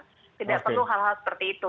tidak perlu hal hal seperti itu